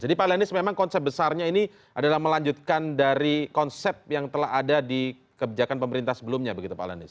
pak lenis memang konsep besarnya ini adalah melanjutkan dari konsep yang telah ada di kebijakan pemerintah sebelumnya begitu pak lenis